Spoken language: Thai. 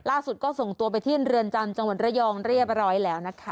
ล่าสุดก็ส่งตัวไปที่เรือนจำจังหวัดระยองเรียบร้อยแล้วนะคะ